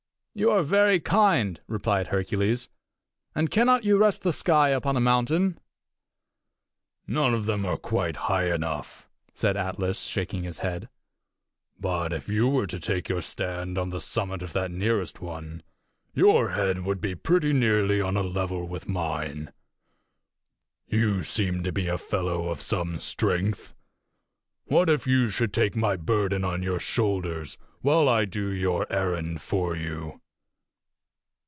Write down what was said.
"You are very kind," replied Hercules. "And cannot you rest the sky upon a mountain?" "None of them are quite high enough," said Atlas, shaking his head. "But if you were to take your stand on the summit of that nearest one your head would be pretty nearly on a level with mine. You seem to be a fellow of some strength. What if you should take my burden on your shoulders while I do your errand for you?"